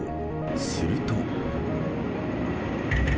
すると。